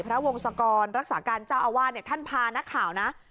พระวงศกรรย์รักษาการเจ้าอาวารท่านพานักข่าวนะ